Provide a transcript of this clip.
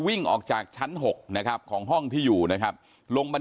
วิ่งออกจากชั้น๖นะครับของห้องที่อยู่นะครับลงบัน